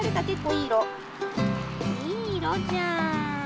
いいいろじゃん。